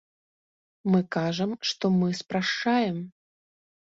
Мы кажам, што мы спрашчаем.